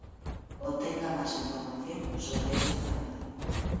Obtenga más información sobre esta enfermedad